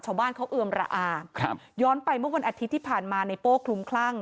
ชาวบ้านเขาเอือมระอาครับย้อนไปเมื่อวันอาทิตย์ที่ผ่านมาในโป้คลุมคลั่ง